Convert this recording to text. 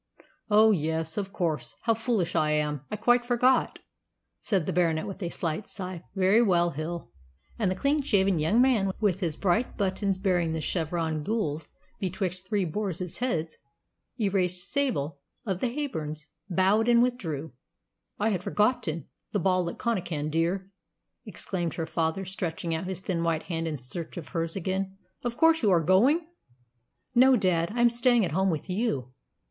"Oh, yes, of course. How foolish I am! I quite forgot," said the Baronet with a slight sigh. "Very well, Hill." And the clean shaven young man, with his bright buttons bearing the chevron gules betwixt three boars' heads erased sable, of the Heyburns, bowed and withdrew. "I had quite forgotten the ball at Connachan, dear," exclaimed her father, stretching out his thin white hand in search of hers again. "Of course you are going?" "No, dad; I'm staying at home with you."